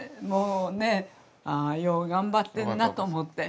ああよう頑張ってんなと思って。